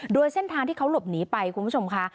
โดยเส้นทางที่เขาหลบหนีไปคุณผู้ชมค่ะ